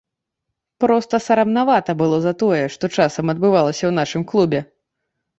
Проста сарамнавата было за тое, што часам адбывалася ў нашым клубе.